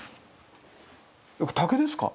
竹ですか？